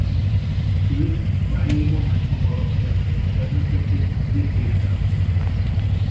Őt a helyi Momentum-alapszervezet elnökeként Déri is támogatta.